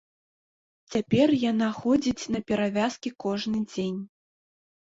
Цяпер яна ходзіць на перавязкі кожны дзень.